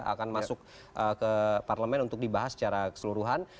akan masuk ke parlemen untuk dibahas secara keseluruhan